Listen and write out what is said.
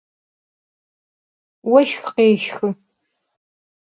Voşx khêşxı.